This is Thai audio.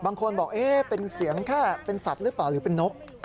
บางคนบอกเป็นเสียงแค่เป็นสัตว์หรือเปล่าหรือเป็นนก